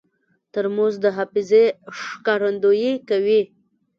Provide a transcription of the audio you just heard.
ترموز د حافظې ښکارندویي کوي.